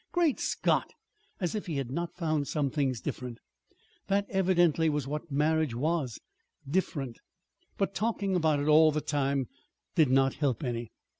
Great Scott! As if he had not found some things different! That evidently was what marriage was different. But talking about it all the time did not help any.